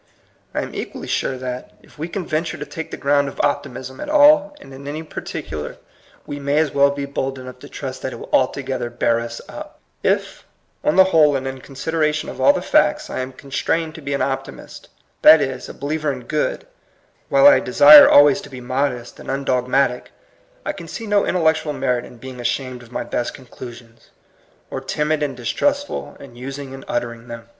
I am equally sure that, if we can venture to take the ground of opti mism at all and in any particular, we may INTRODUCTION, Vll as well be bold enough to trust that it will altogether bear us up* If, on the whole and in consideration of all the facts, I am constrained to be an optimist, that is, a believer in good, while I desire al ways to be modest and undog^matic, I can see no intellectual merit in being ashamed of mj best conclusions, or timid and dis trustful in using and uttering them.